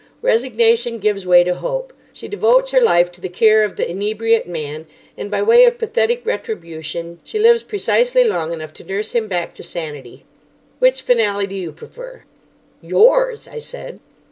Resignation gives way to hope. She devotes her life to the care of the inebriate man, and, by way of pathetic retribution, she lives precisely long enough to nurse him back to sanity. Which finale do you prefer?" "Yours!" I said.